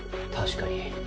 確かに。